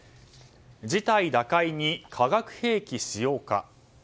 事態打開に化学兵器使用か。